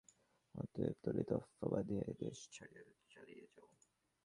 অতএব তল্পিতল্পা বাঁধিয়া এ দেশ ছাড়িয়া চলিয়া যাও।